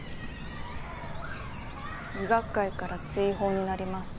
医学界から追放になります。